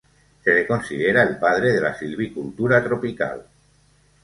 Se le considera el padre de la silvicultura tropical.